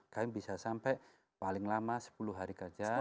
kami bisa sampai paling lama sepuluh hari kerja